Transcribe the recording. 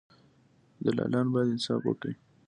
دلالان باید انصاف وکړي.